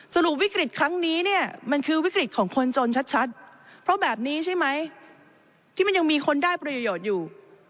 สรุปวิกฤตครั้งนี้เนี่ยมันคือวิกฤตของคนจนชัดเพราะแบบนี้ใช่ไหมที่มันยังมีคนได้ประโยชน์อยู่